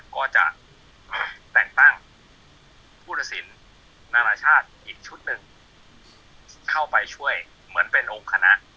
ก็จะแต่งตั้งผู้ตัดสินนานาชาติอีกชุดหนึ่งเข้าไปช่วยเหมือนเป็นองค์คณะ